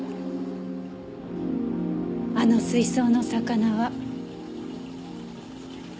あの水槽の魚は。